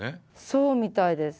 そうみたいです。